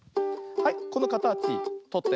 はいこのかたちとって。